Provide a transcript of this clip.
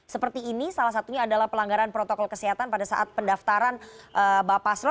seperti ini salah satunya adalah pelanggaran protokol kesehatan pada saat pendaftaran bapak pasro